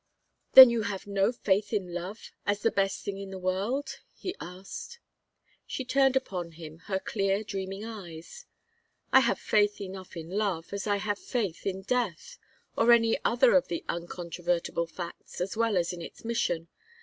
"Then you have no faith in love as the best thing in the world?" he asked. She turned upon him her clear dreaming eyes. "I have faith enough in love, as I have faith in death, or any other of the uncontrovertible facts, as well as in its mission.